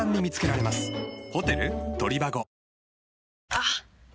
あっ！